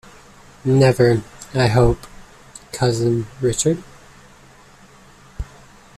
Never, I hope, cousin Richard!